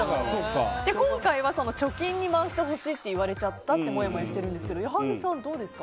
今回は貯金に回してほしいと言われちゃったともやもやしているんですけど矢作さん、どうですか？